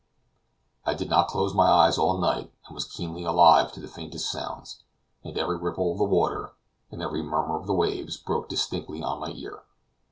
I did not close my eyes all night, and was keenly alive to the faintest sounds, and every ripple of the water, and every murmur of the waves, broke distinctly on my ear.